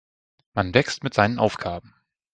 Man wächst mit seinen Aufgaben.